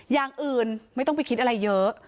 อย่างอื่นไม่ต้องไปคิดอะไรเยอะ